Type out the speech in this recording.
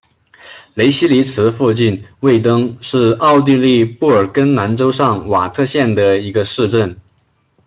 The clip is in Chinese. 雷希尼茨附近魏登是奥地利布尔根兰州上瓦特县的一个市镇。